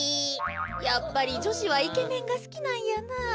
やっぱりじょしはイケメンがすきなんやなあ。